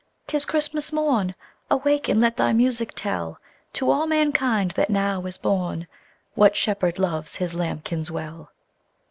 't is Christmas morn Awake and let thy music tell To all mankind that now is born What Shepherd loves His lambkins well!"